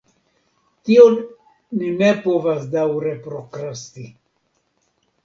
Tion ni ne povas daŭre prokrasti!